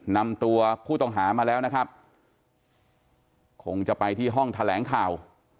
นำตัวผู้ต้องหามาแล้วนะครับคงจะไปที่ห้องแถลงข่าว